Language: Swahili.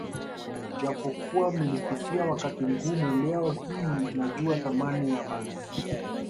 Japokuwa mlipitia wakati mgumu leo hii najua thamani ya malezi yenu